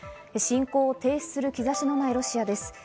侵攻を停止する兆しのないロシアです。